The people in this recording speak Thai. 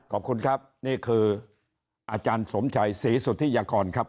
ขอบคุณครับนี่คืออาจารย์สมชัยศรีสุธิยากรครับ